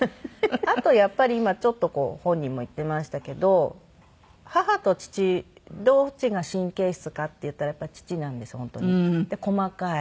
あとやっぱり今ちょっと本人も言っていましたけど母と父どっちが神経質かっていったらやっぱり父なんです本当に。で細かい。